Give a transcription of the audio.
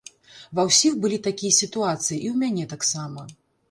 Ва ўсіх былі такія сітуацыі, і у мяне таксама.